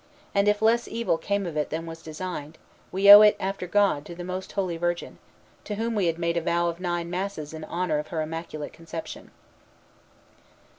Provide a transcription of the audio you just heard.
"and if less evil came of it than was designed, we owe it, after God, to the Most Holy Virgin, to whom we had made a vow of nine masses in honor of her immaculate conception."